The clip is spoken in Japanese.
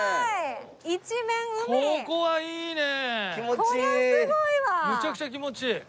むちゃくちゃ気持ちいい。